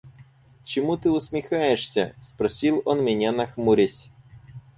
– Чему ты усмехаешься? – спросил он меня нахмурясь.